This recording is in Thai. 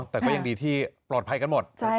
แต่ก็ยังดีที่ปลอดภัยกันหมด